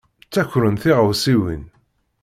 Ttakren tiɣawsiwin.